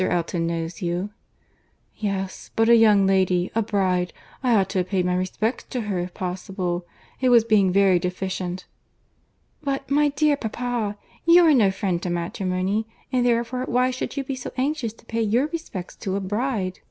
Elton knows you." "Yes: but a young lady—a bride—I ought to have paid my respects to her if possible. It was being very deficient." "But, my dear papa, you are no friend to matrimony; and therefore why should you be so anxious to pay your respects to a bride?